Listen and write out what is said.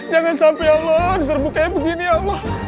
jangan sampai ya allah diserbu kayak begini ya allah